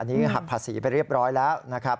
อันนี้หักภาษีไปเรียบร้อยแล้วนะครับ